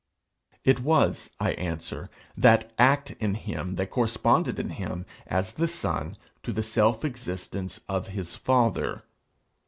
It was, I answer, that act in him that corresponded in him, as the son, to the self existence of his father.